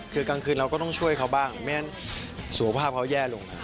คือกลางคืนเราก็ต้องช่วยเขาบ้างไม่งั้นสุขภาพเขาแย่ลง